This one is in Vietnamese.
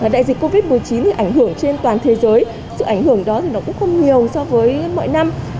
đại dịch covid một mươi chín ảnh hưởng trên toàn thế giới sự ảnh hưởng đó thì nó cũng không nhiều so với mọi năm